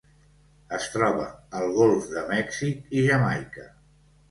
Es troba al Golf de Mèxic i Jamaica.